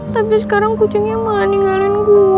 tapi sekarang kucingnya mah ninggalin gue